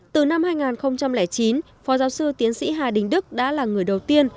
từ năm hai nghìn chín phó giáo sư tiến sĩ hà đình đức đã là người đầu tiên